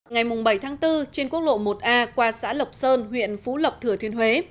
ngày bảy tháng bốn trên quốc lộ một a qua xã lộc sơn huyện phú lộc thừa thuyên huế